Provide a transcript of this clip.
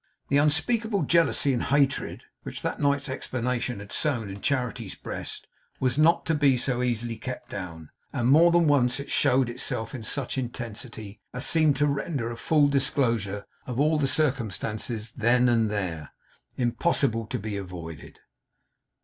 The unspeakable jealously and hatred which that night's explanation had sown in Charity's breast, was not to be so easily kept down; and more than once it showed itself in such intensity, as seemed to render a full disclosure of all the circumstances then and there, impossible to be avoided.